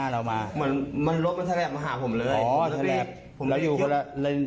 รถมันแทรกมาหาผมเลย